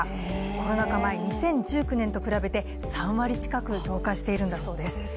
コロナ禍前、２０１９年と比べて３割近く増加しているんだそうです。